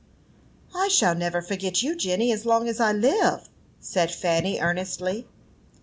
"I shall never forget you, Jenny, as long as I live!" said Fanny, earnestly.